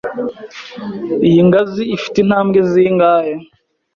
Iyi ngazi ifite intambwe zingahe?